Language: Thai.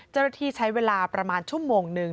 เจ้าหน้าที่ใช้เวลาประมาณชั่วโมงนึง